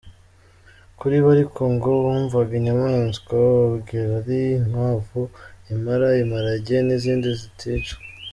Kuri bo ariko ngo bumvaga inyamanswa bababwira ari inkwavu, impara, imparage n’izindi zitica.